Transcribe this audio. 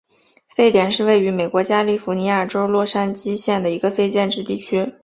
沸点是位于美国加利福尼亚州洛杉矶县的一个非建制地区。